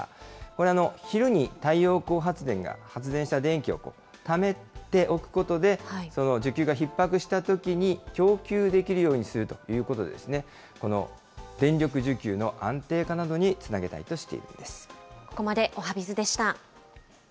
これ、昼に太陽光発電が発電した電気をためておくことで、需給がひっ迫したときに、供給できるようにするということで、この電力需給の安定化などにつなげたいとしているんです。